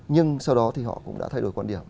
nhưng sau đó thì họ cũng đã thay đổi quan điểm